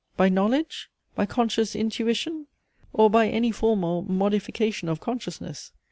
by knowledge? by conscious intuition? or by any form or modification of consciousness?